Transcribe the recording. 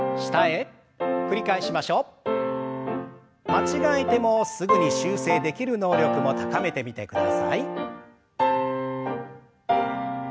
間違えてもすぐに修正できる能力も高めてみてください。